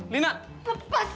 pokoknya kita putus